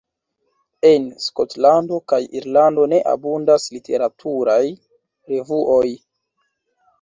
En Skotlando kaj Irlando ne abundas literaturaj revuoj.